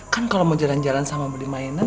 kan kalau mau jalan jalan sama beli mainan